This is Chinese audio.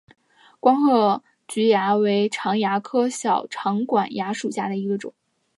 光褐菊蚜为常蚜科小长管蚜属下的一个种。